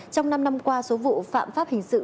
trong năm năm qua số vụ phạm pháp hình sự